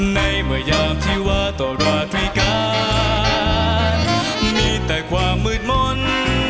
ในเมื่อยามที่ว่าตลอดพิการมีแต่ความมืดมนต์